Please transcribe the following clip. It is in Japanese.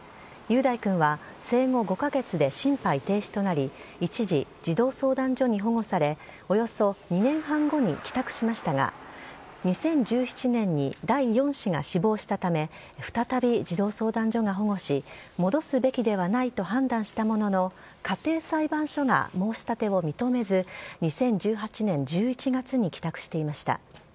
雄大君は生後５か月で心肺停止となり、一時、児童相談所に保護され、およそ２年半後に帰宅しましたが、２０１７年に第４子が死亡したため、再び児童相談所が保護し、戻すべきではないと判断したものの、家庭裁判所が申し立てを認めず、２０１８年１１月に帰宅していました。